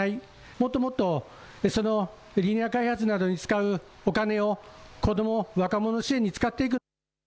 もっともっとそのリニア開発などに使うお金を子ども若者支援に使っていく。